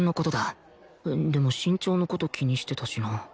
でも身長の事気にしてたしな